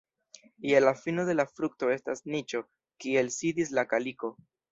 Je la fino de la frukto estas niĉo, kie sidis la kaliko.